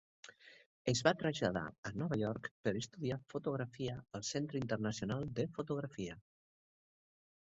Es va traslladar a Nova York per estudiar fotografia al Centre Internacional de Fotografia.